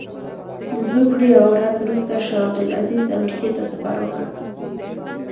د زوکړې یوه ورځ وروسته شاه عبدالعزیز امریکې ته سفر وکړ.